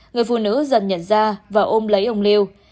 người phụ nữ dần nhận ra và ôm lấy ông liêu